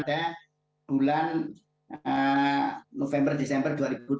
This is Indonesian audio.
pada bulan november desember dua ribu dua puluh